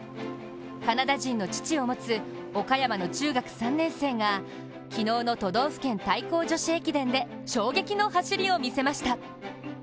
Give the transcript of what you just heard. カナダ人の父を持つ岡山の中学３年生が昨日の都道府県対抗女子駅伝で衝撃の走りを見せました。